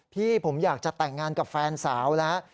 พี่ผมอยากจะแต่งงานกับแฟนสาวแล้ว